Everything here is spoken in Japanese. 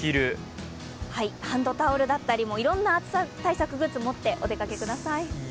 ハンドタオルだったりいろんな暑さ対策グッズを持って持ってお出かけください。